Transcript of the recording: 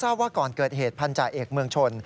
ว่าก่อนเกิดเหตุพันธาเอกเมืองชน